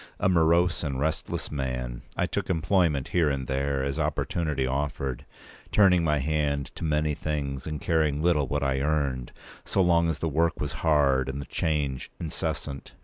A morose and restless man, I took employment here and there, as opportunity offered, turning my hand to many things, and caring little what I earned, so long as the work was hard and the change incessant.